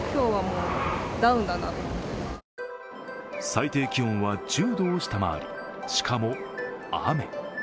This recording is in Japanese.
最低気温は１０度を下回りしかも、雨。